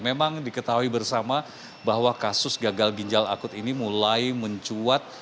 memang diketahui bersama bahwa kasus gagal ginjal akut ini mulai mencuat